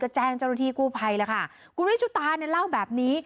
แจ้งเจ้าหน้าที่กู้ภัยแล้วค่ะคุณวิชุตาเนี่ยเล่าแบบนี้